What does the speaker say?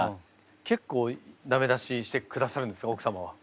結構ダメ出ししてくださるんですね奥様は。